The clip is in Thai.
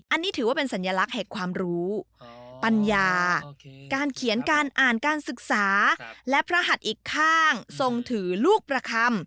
อันนี้ถือว่าเป็นสัญลักษณ์แห่งความรู้ปัญญาการเขียนการอ่านการศึกษาและพระหัดอีกข้างทรงถือลูกประคำ